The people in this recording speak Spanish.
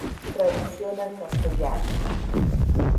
Traducción al castellano.